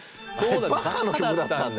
バッハの曲だったんだ！